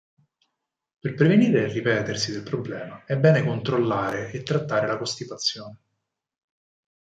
Per prevenire il ripetersi del problema è bene controllare e trattare la costipazione.